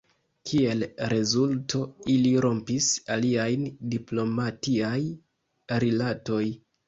Kiel rezulto, ili rompis iliajn diplomatiaj rilatoj.